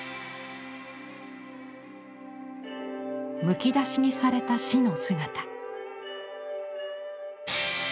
むき出しにされた死の姿。